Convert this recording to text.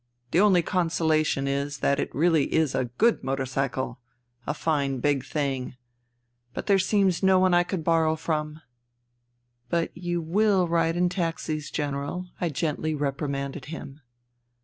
The only consolation is that it really is a good motor cycle — a fine big thing. But there seems no one I could borrow from." " But you will ride in taxis. General," I gently reprimanded him.